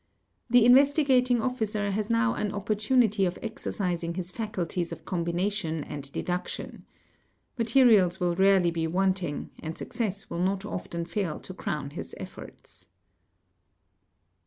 The Investigating Officer | has now an opportunity of exercising his faculties of combination and ~ deduction. Materials will rarely be wanting and success will not often | fail to crown his efforts.